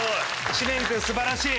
知念君素晴らしい！